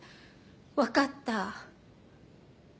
分かった。